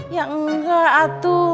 ya enggak atuh